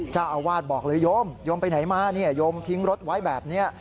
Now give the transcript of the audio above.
เจ้าอาวาสบอกเลยโยมโยมไปไหนมาเนี่ยโยมทิ้งรถไว้แบบนี้